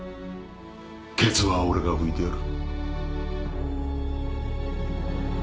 けつは俺が拭いてやる